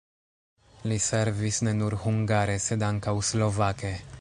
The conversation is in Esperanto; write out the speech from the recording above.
Li servis ne nur hungare, sed ankaŭ slovake.